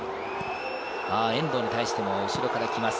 遠藤に対しても、後ろから来ます。